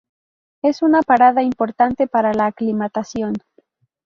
Es una parada importante para la aclimatación.